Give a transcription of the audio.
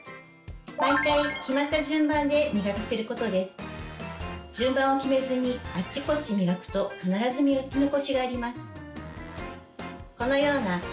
毎回順番を決めずにあっちこっち磨くと必ず磨き残しがあります。